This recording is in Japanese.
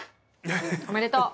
おめでとう。